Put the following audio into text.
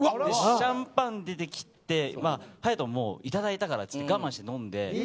シャンパン出てきて隼がいただいたから我慢して飲んで。